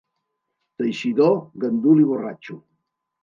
Teixidor, gandul i borratxo.